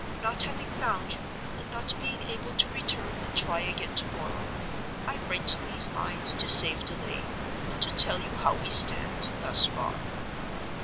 Not having found you, and not being able to return and try again to morrow, I write these lines to save delay, and to tell you how we stand thus far.